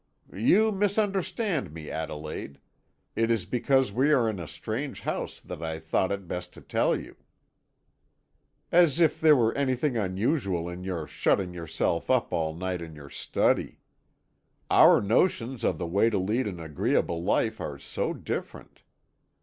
"You misunderstand me, Adelaide; it is because we are in a strange house that I thought it best to tell you." "As if there were anything unusual in your shutting yourself up all night in your study! Our notions of the way to lead an agreeable life are so different!